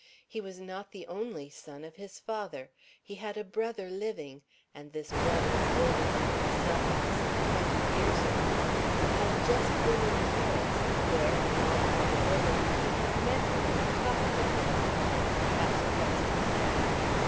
He was not the only son of his father; he had a brother living, and this brother, older than himself by some twenty years or more, had just been in Paris, where, in all probability, he had met him, talked with him, and perhaps pressed his hand.